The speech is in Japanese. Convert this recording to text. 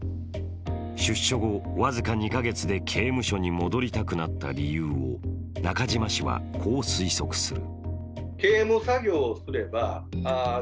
出所後、僅か２カ月で刑務所に戻りたくなった理由を中島氏は、こう推測する。